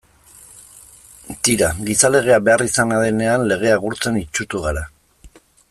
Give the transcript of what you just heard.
Tira, gizalegea beharrizana denean legea gurtzen itsutu gara.